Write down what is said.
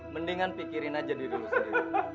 mendingan pikirin aja diri lo sendiri